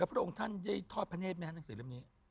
พระองค์ท่านได้ทอดพระเนธไหมฮะหนังสือเล่มนี้